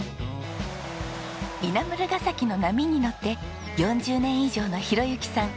稲村ガ崎の波に乗って４０年以上の宏幸さん。